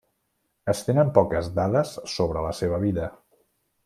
Es tenen poques dades sobre la seva vida.